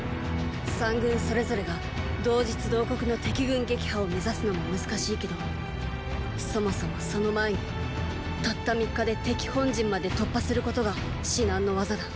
三軍それぞれが同日同刻の敵軍撃破を目指すのも難しいけどそもそもその前にたった三日で敵本陣まで突破することが至難の業だ。